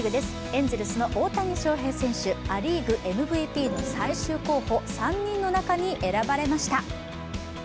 エンゼルスの大谷翔平選手、ア・リーグＭＶＰの最終候補３人の中に選ばれました。